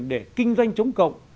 để kinh doanh chống cộng